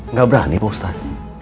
nggak berani pak ustadz